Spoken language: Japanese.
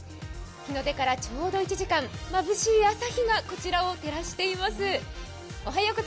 日の出からちょうど１時間まぶしい朝日がこちらを照らしています。